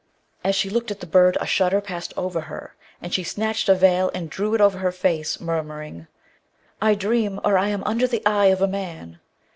As she looked at the bird a shudder passed over her, and she snatched a veil and drew it over her face, murmuring, 'I dream, or I am under the eye of a man.'